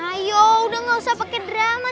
ayo udah gak usah pakai drama